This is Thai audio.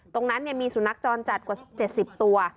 ตรงนั้นเนี่ยมีสู่นักจรจัดกว่าเจ็ดสิบตัว